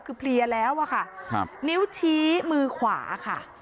คือเพลียแล้วอะค่ะครับนิ้วชี้มือขวาค่ะ